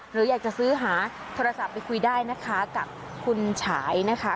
หรืออยากจะซื้อหาโทรศัพท์ไปคุยได้นะคะกับคุณฉายนะคะ